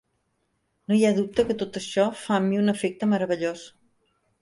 No hi ha dubte que tot això fa en mi un efecte meravellós.